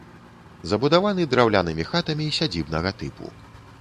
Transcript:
Забудаваны драўлянымі хатамі сядзібнага тыпу.